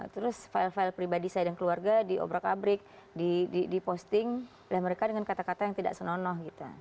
terus file file pribadi saya dan keluarga di obrak abrik di posting dan mereka dengan kata kata yang tidak senonoh gitu